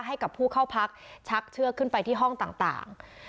ให้กับผู้เข้าพักชักเชือกขึ้นไปที่ห้องต่าง